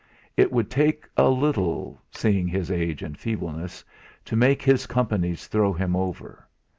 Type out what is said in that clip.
It would take little, seeing his age and feebleness, to make his Companies throw him over.